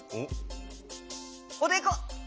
おでこ！